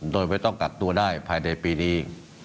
โดยไม่ต้องกักตัวได้ภายในปีนี้